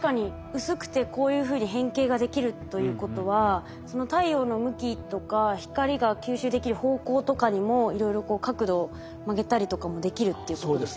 薄くてこういうふうに変形ができるということはその太陽の向きとか光が吸収できる方向とかにもいろいろ角度曲げたりとかもできるっていうことですね。